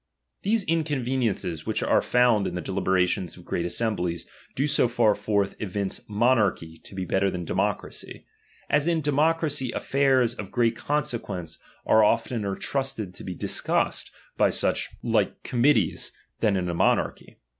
These inconveniences, which are found in tbe deliberations of great assemblies, do so far forth evince monarchy to be better than demo cract/, as in democracy affairs of great conse tineuce are oftener trusted to be discussed by such I uH:ltk>[l. I ore DsturBUy de J Itgbled witli BD f . like committees, than in a monarchy.